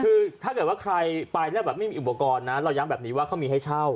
คือถ้าเกิดว่าใครไปแล้วแบบไม่มีอุปกรณ์นะเราย้ำแบบนี้ว่าเขามีให้เช่า